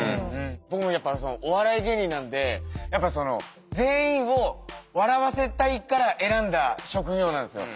僕もやっぱりお笑い芸人なんでやっぱその全員を笑わせたいから選んだ職業なんですよ。